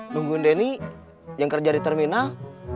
nunggu denny yang kerja di terminal